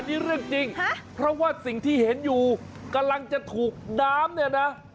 นี่เรื่องจริงเพราะว่าสิ่งที่เห็นอยู่กำลังจะถูกน้ำเนี่ยนะ